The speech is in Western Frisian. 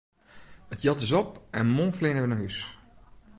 It jild is op en moarn fleane wy nei hús!